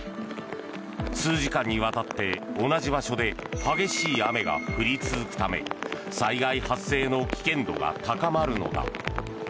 数時間にわたって、同じ場所で激しい雨が降り続くため災害発生の危険度が高まるのだ。